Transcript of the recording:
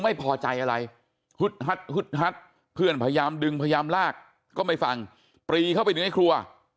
ไม่พอใจอะไรเพื่อนพยายามดึงพยายามลากก็ไม่ฟังปรีเข้าไปดึงในครัว